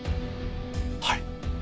はい。